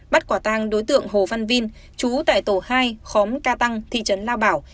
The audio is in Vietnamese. bắt quả tang đối tượng hồ văn vinh chú tại tổ hai khóm ca tăng thị trấn lao bảo